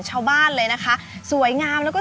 ชาวบ้านเลยนะคะสวยงามแล้วก็